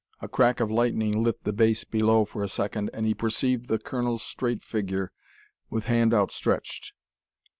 A crack of lightning lit the base below for a second, and he perceived the colonel's straight figure with hand outstretched.